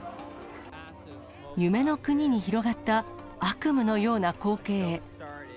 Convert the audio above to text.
夢の国に広がった悪夢のような光景。